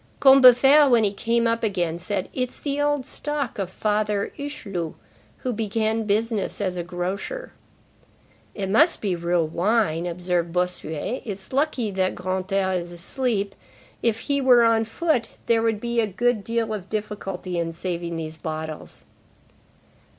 Combeferre when he came up again said:—"It's the old stock of Father Hucheloup, who began business as a grocer."—"It must be real wine," observed Bossuet. "It's lucky that Grantaire is asleep. If he were on foot, there would be a good deal of difficulty in saving those bottles."